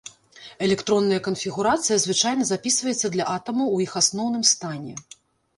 Электронная канфігурацыя звычайна запісваецца для атамаў ў іх асноўным стане.